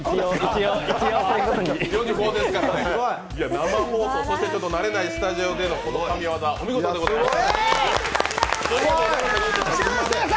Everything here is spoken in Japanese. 生放送、慣れないスタジオでのこの神技、お見事でございます。